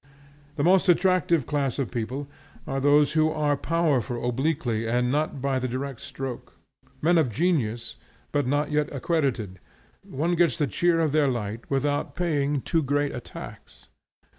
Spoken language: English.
The most attractive class of people are those who are powerful obliquely and not by the direct stroke; men of genius, but not yet accredited; one gets the cheer of their light without paying too great a tax.